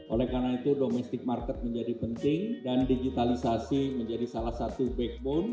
oleh karena itu domestic market menjadi penting dan digitalisasi menjadi salah satu backbone